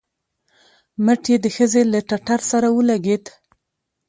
مټ يې د ښځې له ټټر سره ولګېد.